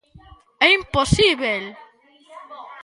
É imposíbel.